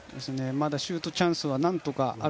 まだシュートチャンスは何とかある。